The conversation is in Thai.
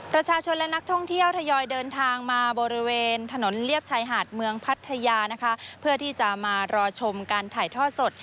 ประชาชนและนักท่องเที่ยวทยอยเดินทางมาบริเวณถนนเลียบชายหาดเมืองพัทยานะคะเพื่อที่จะมารอชมการถ่ายทอดสด